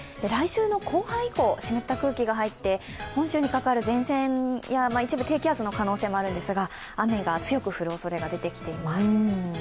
来週の後半以降、湿った空気が入って本州にかかる前線や一部低気圧の可能性もあるんですが雨が強く降るおそれが出てきています。